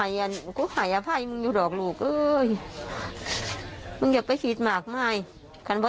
แม่ให้อภัยเรื่องนี้ครับ